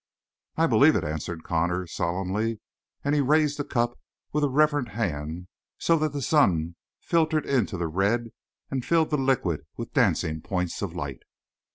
"I believe it," answered Connor solemnly, and he raised the cup with a reverent hand, so that the sun filtered into the red and filled the liquid with dancing points of light.